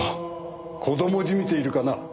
子供じみているかな？